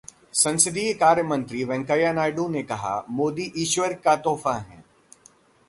संसदीय कार्य मंत्री वेंकैया नायडू ने कहा 'मोदी ईश्वर का तोहफा हैं'